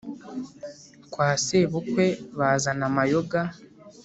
kwa sebukwe bazana amayoga.